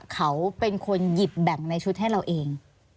เขาเป็นคนหยิบแบ่งในชุดให้เราเอง